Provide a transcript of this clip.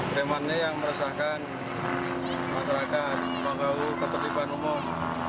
premannya yang merasakan masyarakat bangkau ketertiban umum